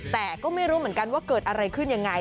แต่ก็ไม่รู้เหมือนกันว่าเกิดอะไรขึ้นยังไง